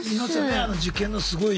あの受験のすごい。